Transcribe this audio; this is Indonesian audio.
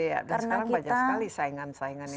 dan sekarang banyak sekali saingan saingan yang sudah muncul